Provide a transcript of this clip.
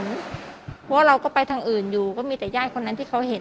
เพราะว่าเราก็ไปทางอื่นอยู่ก็มีแต่ญาติคนนั้นที่เขาเห็น